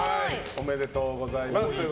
おめでとうございます。